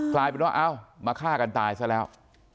กลายเป็นว่าเอ้ามาฆ่ากันตายซะแล้ว